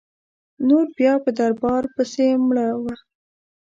نور بیا په دربار پسي مړه وه.